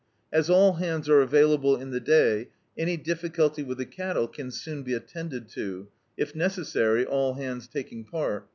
As all hands are available in the day, any difficulty with the cattle can soon be attended to; if necessary, all hands taking part.